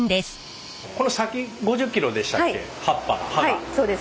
はいそうです。